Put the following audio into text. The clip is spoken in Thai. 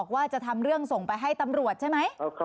ว่าจะทำเรื่องส่งไปให้ตำรวจใช่ไหม